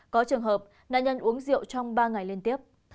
có trường hợp nạn nhân uống rượu trong ba ngày liên tiếp